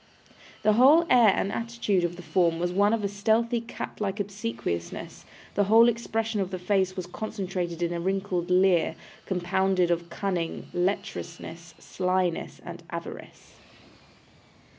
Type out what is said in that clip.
The whole air and attitude of the form was one of stealthy cat like obsequiousness; the whole expression of the face was concentrated in a wrinkled leer, compounded of cunning, lecherousness, slyness, and avarice.